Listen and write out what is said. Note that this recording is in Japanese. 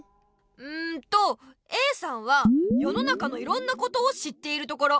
んとＡさんはよの中のいろんなことを知っているところ。